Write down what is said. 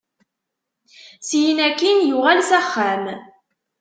Syin akkin, yuɣal s axxam.